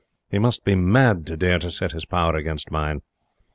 He must be mad to dare to set his power against mine.